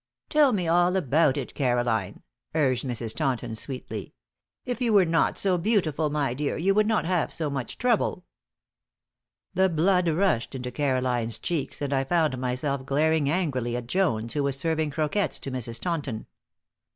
"Tell me all about it, Caroline," urged Mrs. Taunton, sweetly. "If you were not so beautiful, my dear, you would not have so much trouble." The blood rushed into Caroline's cheeks, and I found myself glaring angrily at Jones, who was serving croquettes to Mrs. Taunton.